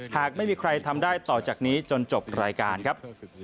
หากไม่มีใครทำได้ต่อจากนี้จนจบรายการครับ